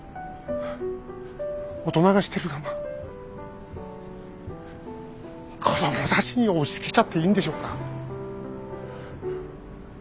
大人がしてる我慢子供たちに押しつけちゃっていいんでしょうか？